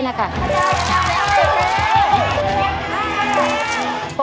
เพียงแม่ดู